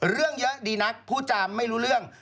เรื่องเยอะดีนักพูดจามไม่รู้เรื่อง